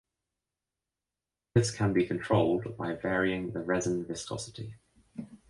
This can be controlled by varying the resin viscosity.